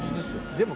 でも